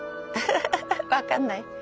分かんない？